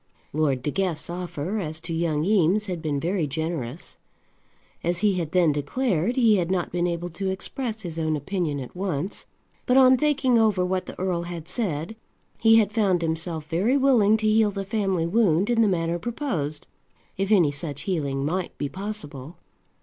Lord De Guest's offer as to young Eames had been very generous. As he had then declared, he had not been able to express his own opinion at once; but on thinking over what the earl had said, he had found himself very willing to heal the family wound in the manner proposed, if any such healing might be possible.